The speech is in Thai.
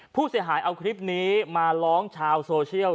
ผู้เสียหายเอาคลิปนี้มาร้องชาวโซเชียล